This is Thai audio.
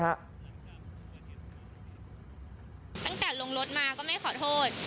ตั้งแต่ลงรถมาก็ไม่ขอโทษ